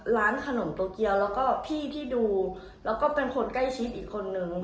ร้านขนมโตเกียวแล้วก็พี่ที่ดูแล้วก็เป็นคนใกล้ชิดอีกคนนึง